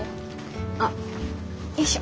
あっよいしょ。